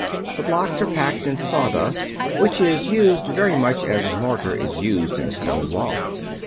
The blocks are packed in sawdust, which is used very much as mortar is used in a stone wall.